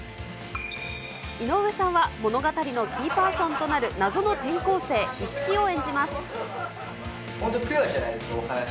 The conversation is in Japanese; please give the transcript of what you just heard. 井上さんは物語のキーパーソンとなる謎の転校生、いつきを演じま本当、ピュアですね。